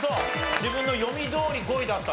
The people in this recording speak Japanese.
自分の読みどおり５位だったね。